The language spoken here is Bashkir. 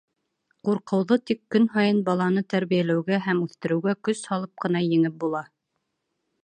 Ҡурҡыуҙы тик көн һайын баланы тәрбиәләүгә һәм үҫтереүгә көс һалып ҡына еңеп була.